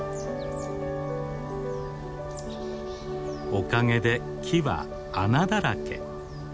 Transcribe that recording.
おかげで木は穴だらけ。